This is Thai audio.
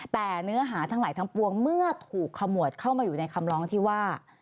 แต่เนื้อหาทั้งหลายทั้งปวงเมื่อถูกขมวดเข้ามาอยู่ในคำร้องที่ว่า